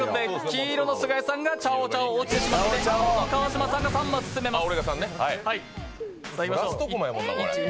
黄色の菅井さんがチャオチャオ落ちてしまって、青の川島さんが３升進めます。